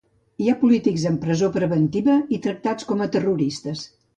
Hi ha polítics en presó preventiva i tractats com a terroristes.